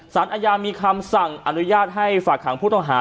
สารอาญามีคำสั่งอนุญาตให้ฝากหางผู้ต้องหา